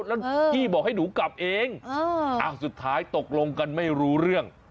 แล้วพี่บอกให้หนูกลับเองสุดท้ายตกลงกันไม่รู้เรื่อง